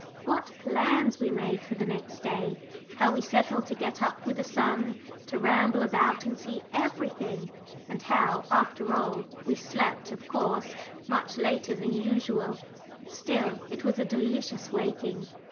What plans we made for the next day how we settled to get up with the sun, to ramble about and see everything and how, after all, we slept, of course, much later than usual! Still, it was a delicious waking.